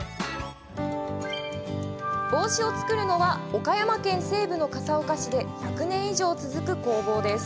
帽子を作るのは岡山県西部の笠岡市で１００年以上続く工房です。